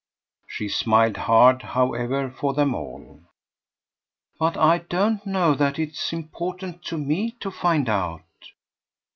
She smiled hard, however, for them all. "But I don't know that it's important to me to 'find out.'"